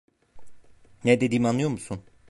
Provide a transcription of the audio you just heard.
Ne dediğimi anlıyor musun?